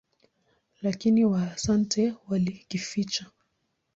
Lakini Waasante walikificha.